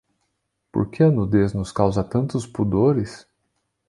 Por que a nudez nos causa tantos pudores?